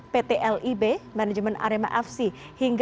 pt lbi dan ketum pssi